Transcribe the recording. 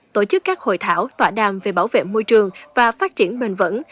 tổ chức các hội thảo tòa đàm về bảo vệ môi trường và phát triển bền vững